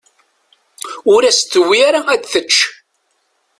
Ur as-d-tewwi ara ad tečč.